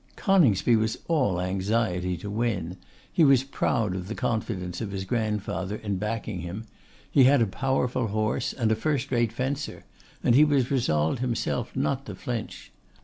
Coningsby was all anxiety to win. He was proud of the confidence of his grandfather in backing him. He had a powerful horse and a firstrate fencer, and he was resolved himself not to flinch.